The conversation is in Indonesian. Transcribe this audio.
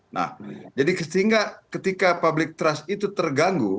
nah jadi sehingga ketika public trust itu terganggu